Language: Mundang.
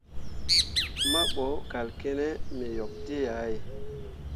Mahbo kal kǝne me yok dǝ̃ǝ̃ yah ye.